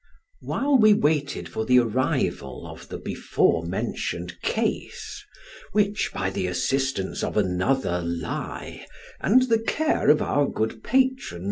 While we waited for the arrival of the before mentioned case (which by the assistance of another lie, and the care of our good patron, M.